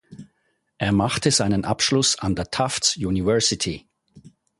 Er machte seinen Abschluss an der Tufts University.